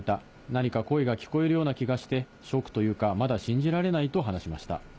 何か声が聞こえるような気がして、ショックというか、まだ信じられないと話しました。